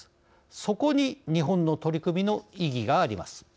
そこに日本の取り組みの意義があります。